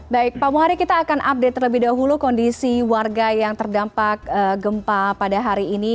baik pak muhari kita akan update terlebih dahulu kondisi warga yang terdampak gempa pada hari ini